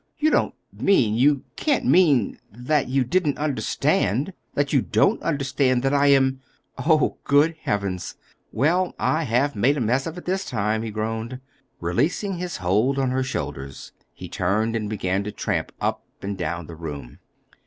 "You don't mean—you can't mean that—that you didn't understand—that you don't understand that I am—Oh, good Heavens! Well, I have made a mess of it this time," he groaned. Releasing his hold on her shoulders, he turned and began to tramp up and down the room.